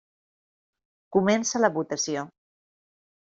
Comença la votació.